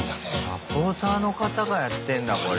サポーターの方がやってんだこれ。